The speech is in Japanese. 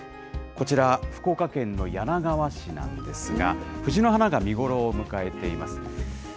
こちら、福岡県の柳川市なんですが、藤の花が見頃を迎えています。